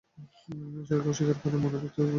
ঈশ্বরকে অস্বীকার করার মানে ভক্তির মূল উৎপাটন করা।